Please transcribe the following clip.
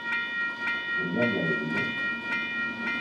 ¿ella había bebido?